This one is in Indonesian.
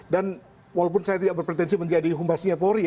dan walaupun saya tidak berpretensi menjadi humbasinya polri ya